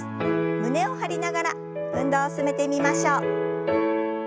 胸を張りながら運動を進めてみましょう。